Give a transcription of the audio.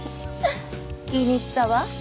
気に入ったわ。